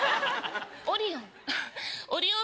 オリオン？